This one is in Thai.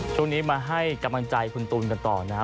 ช่วงนี้มาให้กำลังใจคุณตูนกันต่อนะฮะ